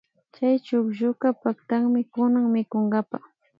Kay chuklluka paktami kunan mikunkapa